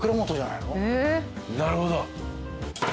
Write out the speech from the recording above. なるほど。